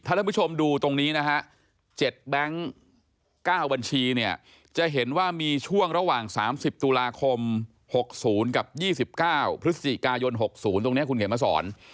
ท่านผู้ชมดูตรงนี้นะฮะ๗แบงค์๙บัญชีเนี่ยจะเห็นว่ามีช่วงระหว่าง๓๐ตุลาคม๖๐กับ๒๙พฤศจิกายน๖๐ตรงนี้คุณเขียนมาสอน